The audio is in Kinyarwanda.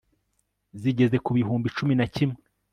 zigeze ku bihumbi cumi na kimwe